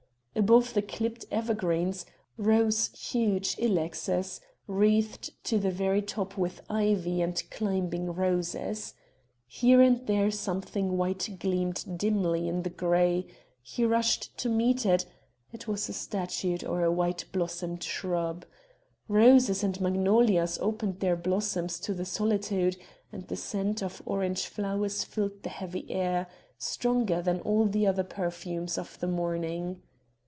Above the clipped evergreens, rose huge ilexes, wreathed to the very top with ivy and climbing roses. Here and there something white gleamed dimly in the grey he rushed to meet it it was a statue or a white blossomed shrub. Roses and magnolias opened their blossoms to the solitude, and the scent of orange flowers filled the heavy air, stronger than all the other perfumes of the morning.